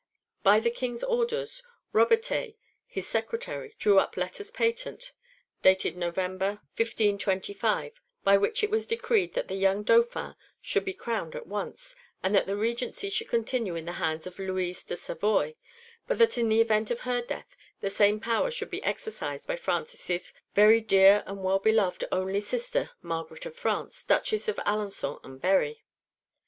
By the King's orders Robertet, his secretary, drew up letters patent, dated November 1525 by which it was decreed that the young Dauphin should be crowned at once, and that the regency should continue in the hands of Louise of Savoy, but that in the event of her death the same power should be exercised by Francis's "very dear and well beloved only sister, Margaret of France, Duchess of Alençon and Berry."